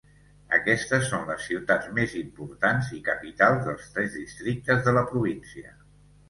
Aquestes són les ciutats més importants i capitals dels tres districtes de la província.